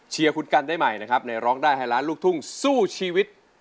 เชียร์คุณกันได้ใหม่นะครับในร้องได้ให้ล้านลูกทุ่งสู้ชีวิต